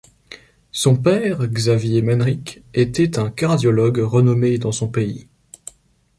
Son père, Xavier Manrique, était un cardiologue renommé dans son pays.